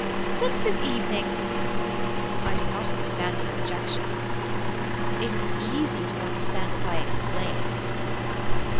Since this evening. I do not understand your objection. It is easy to understand if I explain.